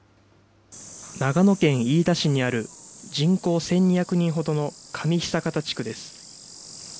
長野県飯田市にある、人口１２００人ほどの上久堅地区です。